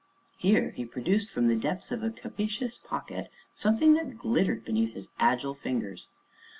Here he produced from the depths of a capacious pocket something that glittered beneath his agile fingers.